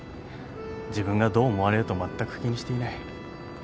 自分がどう思われようとまったく気にしていない。